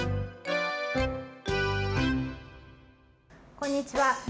こんにちは。